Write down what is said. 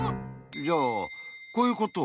じゃあこういうこと？